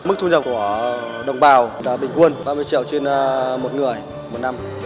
mức thu nhập của đồng bào là bình quân ba mươi triệu trên một người một năm